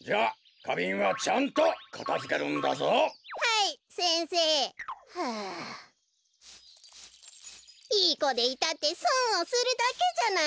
こころのこえいいこでいたってそんをするだけじゃない！